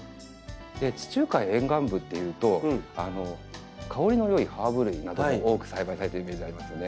地中海沿岸部っていうと香りの良いハーブ類なども多く栽培されてるイメージありますよね。